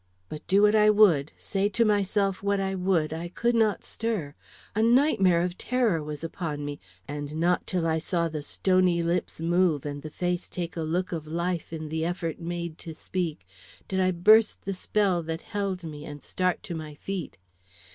But do what I would, say to myself what I would, I could not stir. A nightmare of terror was upon me, and not till I saw the stony lips move and the face take a look of life in the effort made to speak, did I burst the spell that held me and start to my feet.